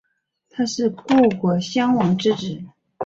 他是故国壤王之子。